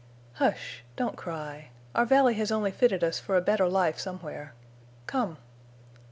"Hush! Don't cry. Our valley has only fitted us for a better life somewhere. Come!"